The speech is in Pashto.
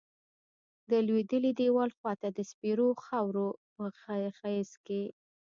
د لویدلیی دیوال خواتہ د سپیرو خاور پہ غیز کیی